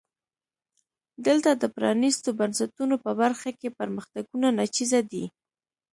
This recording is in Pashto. دلته د پرانیستو بنسټونو په برخه کې پرمختګونه ناچیزه دي.